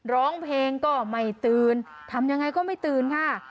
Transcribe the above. ร้องเพลงก็ไม่ตื่นทำยังไงก็ไม่ตื่นค่ะ